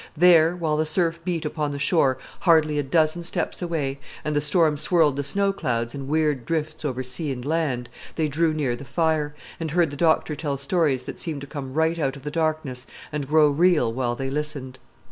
There, while the surf beat upon the shore hardly a dozen steps away, and the storm whirled the snow clouds in weird drifts over sea and land, they drew near the fire, and heard the doctor tell stories that seemed to come right out of the darkness and grow real while they listened.